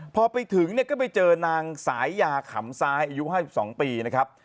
พอไปถึงเนี่ยก็ไปเจอนางสายยาขำซ้ายอายุ๕๒ปีนะครับ